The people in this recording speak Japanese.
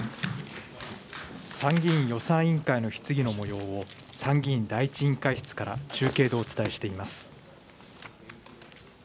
参議院予算委員会の質疑のもようを、参議院第１委員会室から中継でお伝えしています。